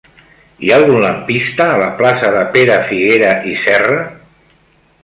Hi ha algun lampista a la plaça de Pere Figuera i Serra?